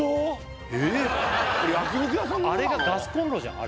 あれがガスコンロじゃん？